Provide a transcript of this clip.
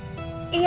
aku mau ke kantor